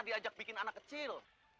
diajak bikin anak kecil